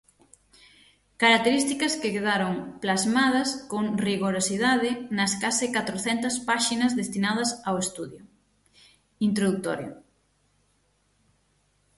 Características que quedaron plasmadas con rigorosidade nas case catrocentas páxinas destinadas ao estudo introdutorio.